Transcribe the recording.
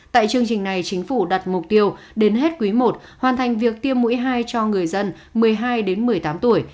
tại chương trình này chính phủ đặt mục tiêu đến hết quý i hoàn thành việc tiêm mũi hai cho người dân một mươi hai đến một mươi tám tuổi